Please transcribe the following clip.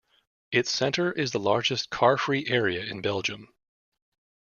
Its centre is the largest carfree area in Belgium.